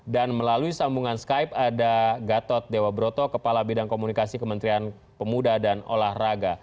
dan melalui sambungan skype ada gatot dewa broto kepala bidang komunikasi kementerian pemuda dan olahraga